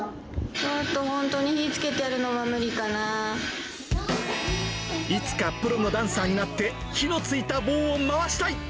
ちょっと本当に火つけてやるいつかプロのダンサーになって、火のついた棒を回したい！